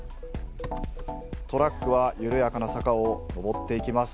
トラックは緩やかな坂を上っていきます。